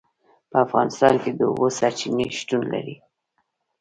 په افغانستان کې د اوبو سرچینې شتون لري.